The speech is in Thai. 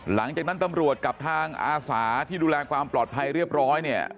หลังจากนั้นตำรวจกับทางอาสาที่ดูแลความปลอดภัยเรียบร้อยเนี่ย